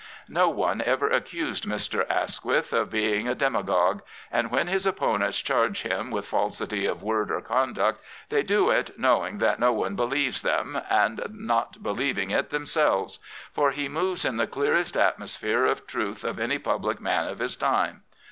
No one ever accused Mr. Asquith of being a d^a gogue, and when his opponents charge him with falsity of word or conduct they do it knowing that no one believes them, and not believing it themselves. For he moves in the clearest atmosphere of truth of any public man of his time.